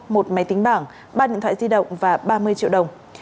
một máy tính bảng ba điện thoại di động và ba mươi triệu đồng